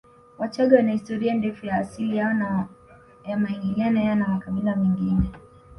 Wachagga wana historia ndefu ya asili yao na ya maingiliano yao na makabila mengine